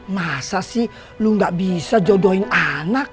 masa sih lu gak bisa jodohin anak